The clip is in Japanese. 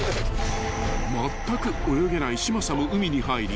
［まったく泳げない嶋佐も海に入り］